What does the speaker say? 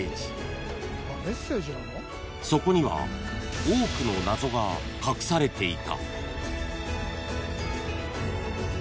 ［そこには多くの謎が隠されていた］